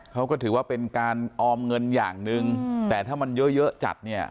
เขาก็ถือว่าเป็นการออมเงินอย่างหนึ่งแต่ถ้ามันเยอะเยอะจัดเนี่ย